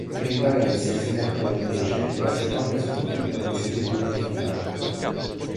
Per il Valencia si trattò, invece, della seconda sconfitta consecutiva in finale.